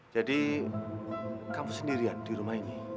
jadi kamu sendirian di rumah ini